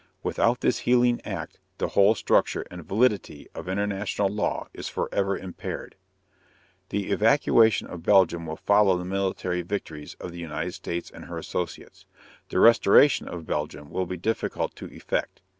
Without this healing act the whole structure and validity of international law is forever impaired._ The evacuation of Belgium will follow the military victories of the United States and her associates. The restoration of Belgium will be difficult to effect.